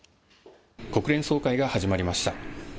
国連総会が始まりました。